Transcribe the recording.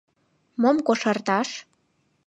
— Мом кошарташ?